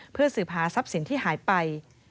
เพื่อสืบหาทรัพย์สินที่หายไป